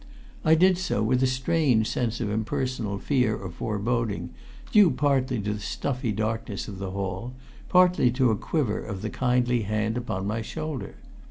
I did so with a strange sense of impersonal fear or foreboding, due partly to the stuffy darkness of the hall, partly to a quiver of the kindly hand upon my shoulder.